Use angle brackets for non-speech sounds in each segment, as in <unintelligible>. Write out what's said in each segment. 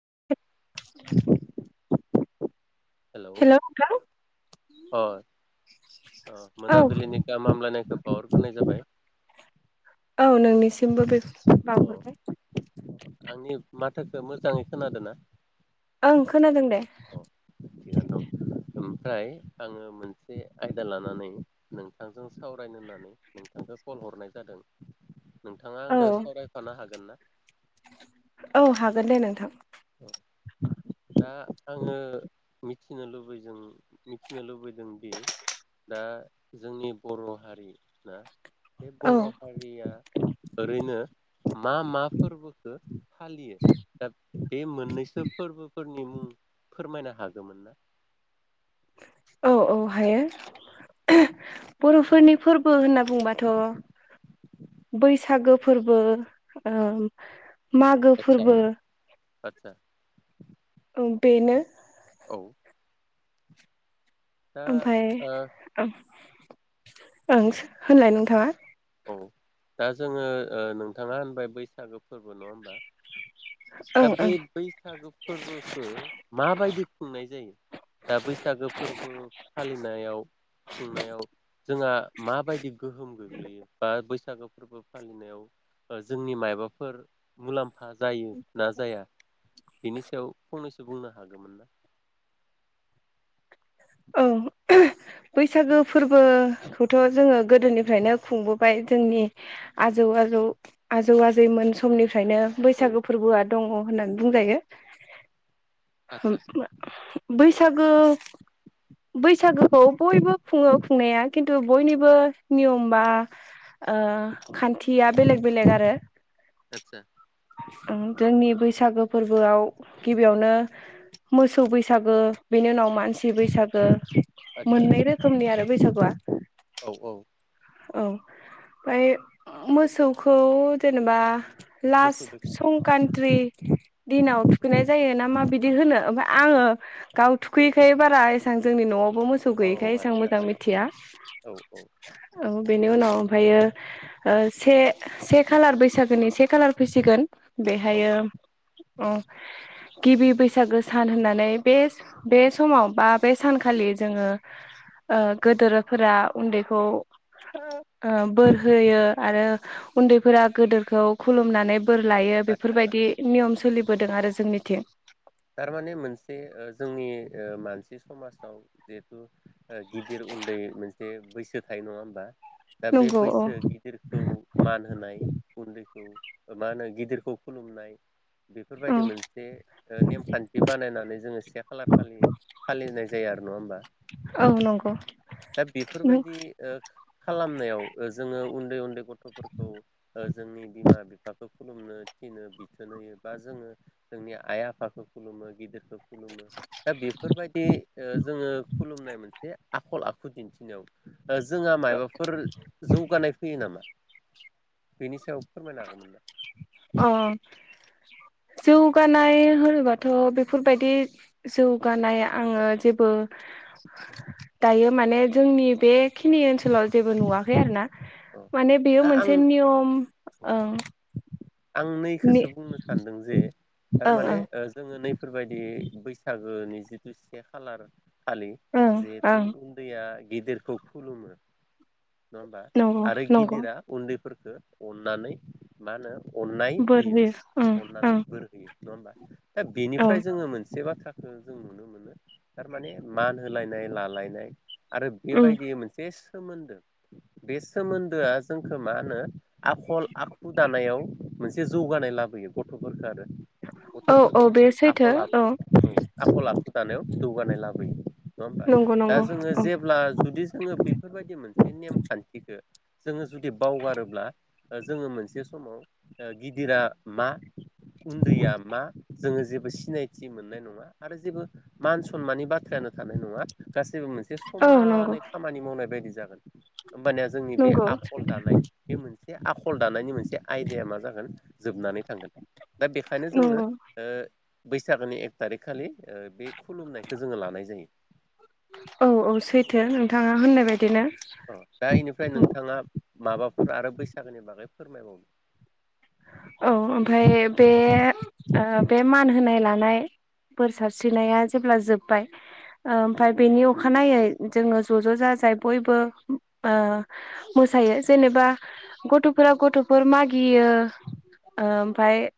<unintelligible> Hello hello अ अ औ मोनाबिलिनि गाहाम हामलायनायखौ बावहरग्रोनाय जाबाय। औ <unintelligible> अ बावहरबाय। आंनि <unintelligible> <unintelligible> मोजाङै खोनादो ना? ओं खोनादों दे थिगानो दं ओमफ्राय आङो मोनसे आयदा लानानै नोंथांजों सावरायनो होननानै नोंथांखो कल हरनाय जादों। नोंथाङा औ आंदो सावरायफानो हागोन ना? औ हागोन दे नोंथां। अ दा आङो मिथिनो लुबैजों मिथिनो लुबैदोंदि दा जोंनि बर' हारि ना बे औ बर' हारिया ओरैनो मा मा फोरबोखो फालियो दा बे मोननैसो फोरबो नि मुं फोरमायनो हागोमोन ना? औ औ हायो। बर'फोरनि फोरबो होनना बुंबाथ' बैसागो फोरबो ओम मागो फोरबो आतसा बेनो औ दा ओमफाय ओ ओम ओंस होनलाय नोंथाङा औ। दा जोङो ओ नोंथाङा होनबाय बैसागो फोरबो नङा होमबा? दा ओं ओं बै बैसागो फोरबोखो माबायदि खुंनाय जायो दा बैसागो फोरबो फालिनायाव खुंनायाव जोंहा मा बायदिब गोहोम गोग्लैयो बा बैस सागो फोरबो फालिनायाव ओ जोंनि मायबाफोर मुलाम फा जायो जाया बिनि सायाव फंनैसो बुंनो हागोमोन ना? ओं बैसागो फोरबोखौथ' जोङो गोदोनिफ्रायनो खुंबोबाय जोंनि आजौ आजौ आजौ आजैमोन समनि खायनो औ बैसागो फोरबोआ दङ होननानै बुंजायो आतसा <unintelligible> बै सागो बैसागोखौ बयबो खुङो खुंनाया किन्तु बयनिबो नियम बा ओ खान्थिया बेलेग बेलेग आरो। आतसा। ओं जोंनि बैसागो फोरबोआव गिबियावनो मोसौ बैसागो बेनि उनाव मानसि बैसागो। आदसा मोननै रोखोमनि आरो। बैसागुआ। औ औ। औ ओमफ्राय मोसौखौ जेनेबा लास मोसौ बैसागु संकान्त्रि। दिनाव थुखैनाय जायो ना मा बिदि होनो ओमफाय आङो गाव थुखैयैखाय बारा एसां जोंनि न'आव। नवाव मोसौ औ गैयैखाय एसां आदसा मोजां मिथिया। औ औ औ बेनि उनाव ओमफ्रायो से से खालार बैसागोनि से खालार फैसिगोन। औ बेहायो औ उम। गिबि बैसागो सान होननानै बे-बे समाव बा बे सानखालि जोङो गोदोरफोरा उन्दैखौ बोर होयो आरो उन्दैफोरा गोदोरखौ खुलुमनानै बोर लायो आदसा बेफोरबायदि नियमस सोलिबोदों आरो जोंनिथिं। थारमाने मोनसे ओ जोंनि ओ मानसि समाजाव जिहेथु ओ गिदिर उन्दै मोनसे बैस सो थायो नङा होनबा। दा बे नंगौ औ बैसो गिदिरखौ मान होनाय उन्दै औ मा होनो गिदिरखौ खुलुमनाय औ बेफोरबायदि मोनसे ओ नेमखान्थि बानायनानै जोङो से खालार खालि फालिनाय जायो आरो नङा होमबा औ नंगौ दा बेफोरबायदि ओ खालामनायाव ओ जोङो उन्दै-उन्दै गथ'फोरखौ ओ जोंनि बिमा बिफ फाखो खुलुमनो थिनो बिथोन होयो बा जोङो जोंनि आइ आफ फाखौ खुलुमो गिदिरखौ खुलुमो दा बेफोरबायदि ओ जोङो खुलुमनाय मोनसे आखल आखु दिन्थिनायाव जोंहा मायबाफोर जौगानाय फैयो नामा? बेनि सायाव फोरमायनो हागौमोन ना? अ जौगानाय होनोबाथ' बेफोरबायदि जौगानाय आङो जेबो दायो माने जोंनि बेखिनि ओनसोलाव जेबो नुवाखै आरोना। औ माने बेयो दा मोनसे आं ओ नियम। ओं। आं नि नैखोसो बुंनो सानदों जे ओं थारमाने ओं ओ जों नै फोरबायदि बैसाग गोनि जिथु से खालार खालि ओं जिहेथु ओं उन्दैया गिदिरखौ खुलुमो नङा होमबा नंगौ आरो नंगौ गिदिरा उन्दैफोर <unintelligible> अननानै मा होनो अननाय बोर होयो ओं अननानै ओं बोर होयो। नङा होनबा दा औ बेनिफ्राय जोङो मोन से बाथ्राखौ जों नुनो मोनो थारमाने मान होलायनाय लालायनाय। आरो उम बेबायदि मोनसे सोमोन्दो बे सोमोन्दोआ जोंखौ मा होनो आखल आखु दानायाव मोनसे जौगानाय लाबोयो गथ'फोरखौ आरो। औ औ गथ'फोरखो बे सैथो आखल आखु औ आखल आखु दानायाव जौगानाय लाबोयो नङा होमबा नंगौ दा नंगौ जोङो औ जेब्ला जुदि जोङो बेफोरबायदि मोनसे नेम खान्थिखो जोङो जुदि बावगारोब्ला ओ जोङो मोनसे समाव ओ गिदिरा मा उन्दैया मा जोङो जेबो सिनायथि मोननाय नङा आरो जेबो मान सनमाननि बाथ्रायानो थानाय नङा। गासैबो मोनसे औ नंगौ समानै खामानि मावनाय बायदि जागोन। ओमबानिया जोंनि बे नंगौ आखल दानाय बे मोनसे आखल दानायनि मोनसे आयदाया मा जागोन जोबनानै थांगोन दा बेखायनो जोंनो नंगौ ओ बैसागोनि एक थारिक खालि ओ बे खुलुमनायखौ जोङो लानाय जायो। औ औ सैथो नोंथाङा होननाय बायदिनो। अ दा इनिफ्राय नोंथाङा माबाफोर आरो बैस बैसागोनि बागै फोरमायबावदो। औ ओमफाय बे ओ बे मान होनाय लानाय बोर सारस्रिनाया जेब्ला जोब्बाय ओ ओमफाय बेनि अखानायै जोङो ज' ज' जाजाय बयबो ओ मोसायो जेनेबा गथ'फोरा गथ'फोर मागियो ओ ओमफाय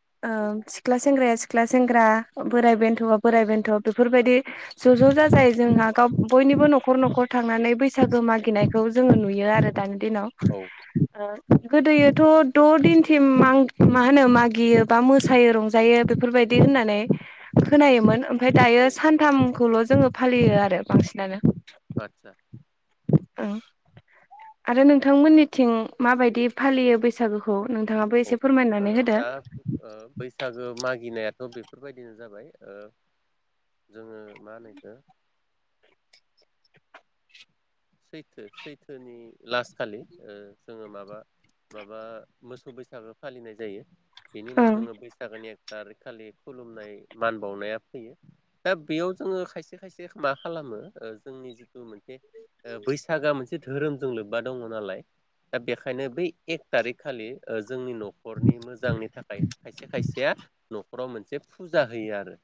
सिख्ला सेंग्राया सिख्ला सेंग्रा बोराय बेन सोबा औ बोराइ बेन्थ' बेफोरबायदि ज'ज' जाजाय जोंहा गाव बयनिबो न'खर न'खर थांनानै बैसागो मागिनायखौ जोङो नुयो आरो दानि दिनाव औ ओ गोदोयोथ' द' दिनथिम आं मा होनो मागियो बा मोसायो रंजायो बेफोरबायदि होननानै खोनायोमोन ओमफ्राय दायो औ सानथामखौल' जोङो फालियो आरो बांसिनानो। आतसा ओं आरो नोंथांमोननिथिं माबायदि फालियो बैसागुखौ औ ओ दा ओ बैसागो मागिनाया थ' बेफोरबायदिनो जाबाय ओ जोङो मा होनो एखौ सैथो सैथोनि लास खालि ओ जोङो माबा माबा मोसौ बैसागो फालिनाय जायो। बेनि उनाव ओं जोङो बैसागोनि‌ एक तारिक खालि खुलुमनाय मान बावनाया फैयो दा बेयाव जोङो खायसे खायसे मा खालामो जोंनि जिथु मोनसे ओ बैसागोआ मोनसे धोरोमजों लोब्बा दङ नालाय दा बेनिखायनो बै एक थारिक खालि ओ जोंनि न'खरनि मोजांनि थाखाय खायसे खायसेया न'खराव मोनसे फुजा होयो आरो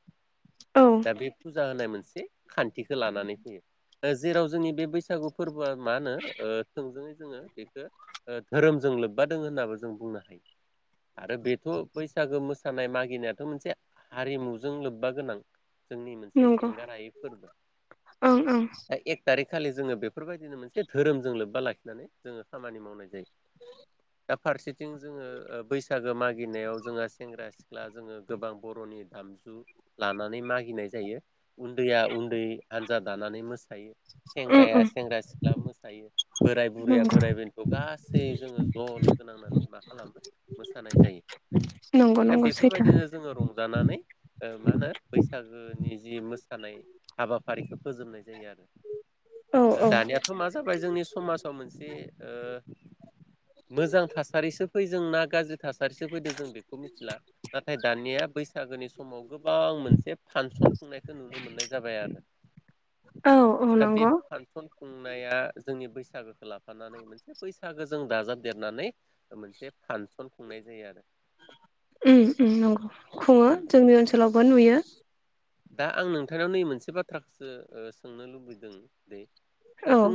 औ दा बे फुजा होनाय मोनसे खान्थिखौ लानानै होयो जेराव जोंनि बे बैसाग बैसागु फोरबोआ मा होनो ओ थोंजोङै जोंङो बेखौ धोरोमजों लोब्बा दोङ होननाबो जों बुंनो हायो आरो बेथ' बैसागो मोसानाय मागिनायाथ' मोनसे हारिमुजों लोब्बा गोनां जोंनि मोनसे नंगौ एंगारायै फोरबो ओं ओं एक थारिख खालि जोंङो बेफोरबायदिनो मोनसे धोरोमजों लोब्बा लाखिनानै जोंङो खामानि मावनाय जायो औ दा फारसेथिं जोंङो ओ बैसागो मागिनायाव जोंहा सेंग्रा सिख्ला जोंङो गोबां बर'नि दामजु लानानै मागिनाय जायो उन्दैया उन्दै हानजा दानानै मोसायो उम सेंग्राया उम सेंग्रा सिख्ला मोसायो बोराय बुरैया नंगौ बोराइ बेन्थ' गासै जोंङो ज' लोगो नांनानै मा खालामनो मोसानाय जायो नंगौ दा नंगौ सैथो बेफोरबायदिनो जोंङो रंजानानै ओ मा होनो बैसागोनि जि मोसानाय हाबाफारिखौ फजोबनाय जायो आरो औ औ दानियाथ मा जाबाय जोंनि समाजाव मोनसे ओ मोजां थासारिसो फै जों ना गाज्रि थासारिसो फैदो जों बेखौ मिथिला नाथाय दानिया बैसागोनि समाव गोबां मोनसे फांसन खुंनायखौ नुनो मोननाय जाबाय आरो औ औ नंगौ फन खुंनाया जोंनि बैसागो लाफानानै मोनसे बैसाग फागो जों दाजाबदेरनानै मोनसे फांसन खुंनाय जायो आरो ओ ओ नंगौ खुंङो उम जोंनि ओनसोलावबो नुयो दा आं नोंथांनाव नै मोनसे बाथ्राखौसो ओ सोंनो लुबैदों दे दा औ जों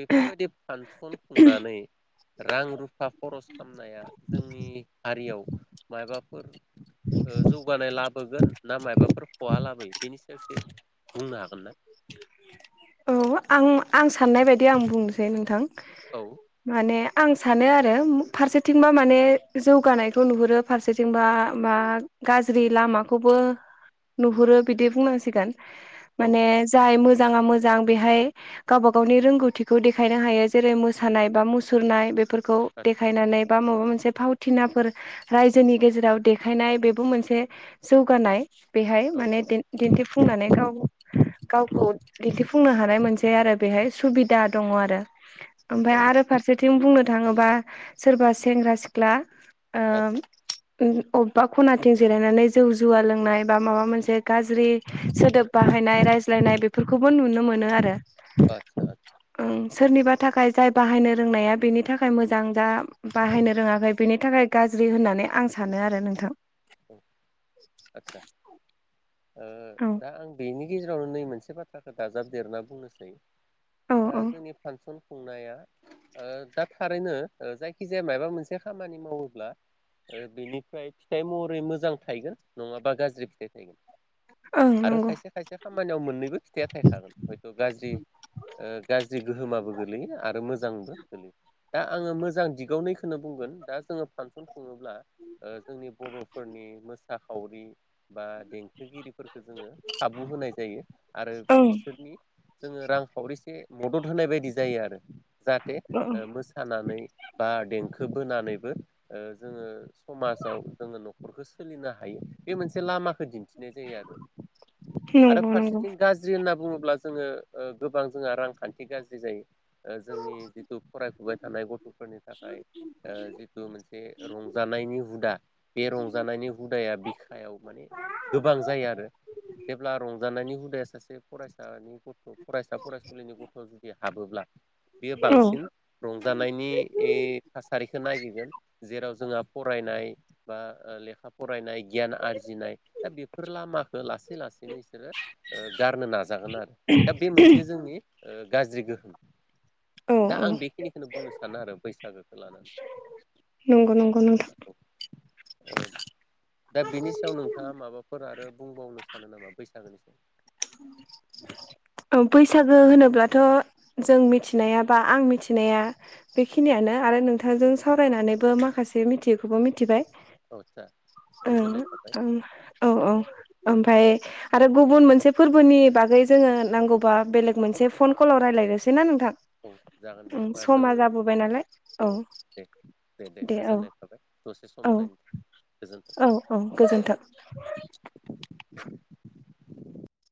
बेफोरबायदि फानसन खुंनानै रां रुफा खरस खालामनाया जोंनि हारियाव माइ बाफोर ओ जौगानाय लाब होगोन ना मायबाफोर खहा लाबोयो बेनि सायावसो बुंनो हागोन ना? औ आं आं साननाय बायदि आं बुंनोसै नोंथां औ माने आं सानो आरो फारसेथिंबा माने जौगानायखौ नुहुरो फारसेथिंबा मा गाज्रि लामाखौबो नुहुरो बिदि बुंनांसिगोन औ माने जाय मोज मोजांङा मो। मोजां बेहाय गावबा गावनि रोंगौथिखौ देखायनो हायो जेरै मोसानाय बा मुसुरनाय बेफोर। खौ आदसा देखायनानै बा माबा मोनसे। से फावथिनाफोर रायजोनि गेजेराव देखायनाय बेबो मोनसे जौगानाय। बेहाय औ माने औ दिन दिन्थि। फुंनानै गाव गावखौ। दिन्थिफुंनो हानाय मोनसे आरो बेहाय सुबिदा दंङ आरो। ओमफ्राय औ आरो फारसेथिं बुंनो। नो थांङोबा सोरबा सेंग्रा सिख्ला। आतसा। ओ अबेबा खनाथिं जिरायनानै जौ जुवा लोंनाय बा माबा मोनसे गाज्रि सोदोब बाहायनाय रायज्लायनाय बे बेफोरखौबो नुनो मोनो आरो। आतसा आ। ओं सोरनिबा थाखाय जाय बाहायनो रोंनाया बेनि थाखाय मोजां जा औ बाहायनो रोङाखै बिनि थाखाय गाज्रि होननानै आं सानो आरो नोंथां। औ आतसा। ओ औ दा आं गैयिनि गेजेरावनो नै मोनसे बाथ्राखौ दाजाबदेरना बुंनोसै। औ ओ औ जोंनि फांसन खुंनाया ओ दा थारैनो ओ जायखिजाया माबा मोनसे खामानि मावोब्ला ओ बेनिफ्राय फिथाइ मह रै मोजां थायगोन नङाबा गाज्रि फिथाइ थायगोन। ओं आरो नंगौ खायसे खायसे खामानियाव मोननैबो फिथाइया थायखागोन हयथ' गाज्रि ओ गाज्रि गोहोमाबो गोलैयो आरो मोजांबो गोलैयो। दा आङो मोजां दिगावनैखौनो बुंगोन दा जोङो फांसन ओ खुङोब्ला जोंनि बर' फोरनि मोसाखावरि बा देंख खोथिगिरिफोरखौ जोङो खाबु होनाय जायो आरो ओं बिसोरनि जोङो रांफावरिसे मदद होनाय बायदि जायो आरो। जाहाथे ओं ओ मोसानानै बा देंखो बोनानैबो ओ जोङो समाजाव जोङो नख खरखो सोलिनो हायो बे मोनसे लामाखौ दिन्थि नाय जायो आरो आरो नंगौ नंगौ फारसेथिं गाज्रि होनना बुङो ब्ला जोङो ओ गोबां जोंहा रांखान्थि गाज्रि जायो। ओ जोंनि जिथु फरायफुबाय थानाय गथ'फोरनि थाखाय ओ जिथु मोनसे रंजानायनि हुदा बे रंजानायनि हुदाया बिखायाव माने गोबां जायो आरो जेब्ला रंजा नायनि हुदाया सासे फरायसानि गथ' फरायसा फरायसुलिनि गथ' जुदि हाबोब्ला बेयो औ बांसिन रंजानायनि थासारिखौ नागिरगोन जेराव जोंहा फरायनाय बा लेखा फरायनाय गियान आरजिनाय दा बेफोर लामाखौ लासै लासैनो बिसोरो गारनो नाजागोन आरो दा बे मोनसे जोंनि गाज्रि गोहोम औ दा औ आं बेखिनिखौनो बुंनो सानो आरो बै नंगौ नंगौ नोंथां। ओ दा बेनि सायाव नोंथाङा माबाफोर आरो बुंबाव सानो नामा बैसागोनि सायाव? बैसागो होनोब्लाथ' जों मिथिनाया बा आं मिथिनाया बेखिनियानो आरो नोंथांजों औ सावरायनानैबो माखासे बे मिथियैखौबो मिथिबाय। औ <unintelligible> ओं गोजोननाय थाबाय ओं औ ओ औ ओमफफ्राय आरो गुबुन मोनसे फोरबोनि बागै जोङो नांगौबा बेलेग मोनसे फन कलाव रायजलायनोसै ना नोंथां? औ जागोन दे होमबा समा जोङो जाबोबाय नालाय औ दे दे दे गोजोननाय थाबाय दसे सम औ मोन नायनो गोजोनथों। औ औ गोजोन्थों।